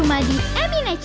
nanti kita lihat